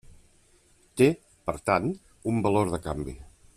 Té, per tant, un valor de canvi.